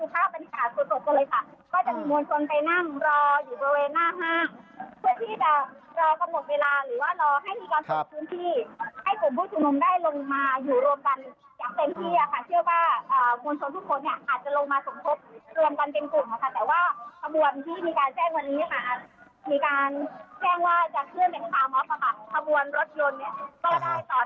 ทะบวนรถยนต์ก็ได้ต่อแถวตั้งแถวเป็นที่เรียบร้อยแล้วค่ะ